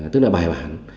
tức là bài bản